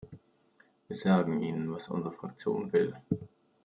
Wir sagen Ihnen, was unsere Fraktion will.